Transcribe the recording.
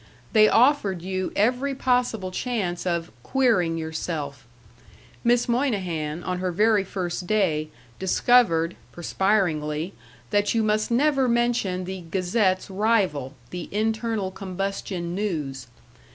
They offered you every possible chance of "queering yourself." Miss Moynihan, on her very first day, discovered, perspiringly, that you must never mention the Gazette's rival, the Internal Combustion News.